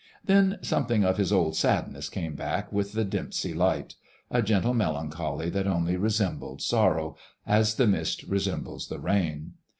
Then something of his old sadness came back with the dimpsey light,—a gentle melancholy that only resembled sorrow "as the mist resembles the rain."